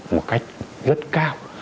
một cách rất cao